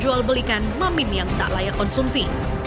jual belikan mamin yang tak layak konsumsi